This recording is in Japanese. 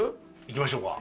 行きましょうか。